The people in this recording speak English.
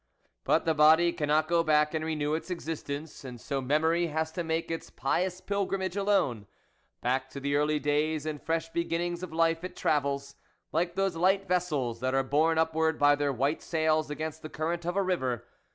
But the body cannot go back and renew its existence, and so memory has to make its pious pilgrimage alone; back to the early days and fresh beginnings of life it travels, like those light vessels that are borne upward by their white sails against the current of a river.